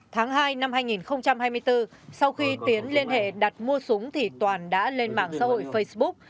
tháng hai năm hai nghìn hai mươi bốn sau khi tiến liên hệ đặt mua súng thì toàn đã lên mạng xã hội facebook